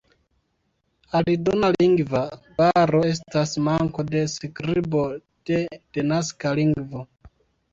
Aldona lingva baro estas manko de skribo de denaska lingvo.